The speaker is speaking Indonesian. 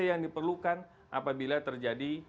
yang diperlukan apabila terjadi